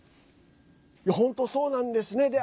本当、そうなんですね。